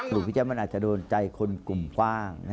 พี่แจ๊มันอาจจะโดนใจคนกลุ่มกว้าง